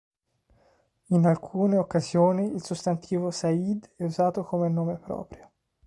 In alcune occasioni il sostantivo "Sayyid" è usato come nome proprio.